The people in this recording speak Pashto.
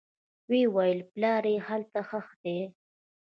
ويې ويل پلار دې هلته ښخ دى.